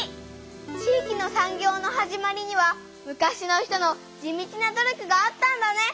地域の産業の始まりには昔の人の地道な努力があったんだね！